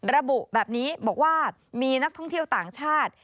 ระบุแบบนี้บอกว่ามีนักท่องเที่ยวต่างชาติ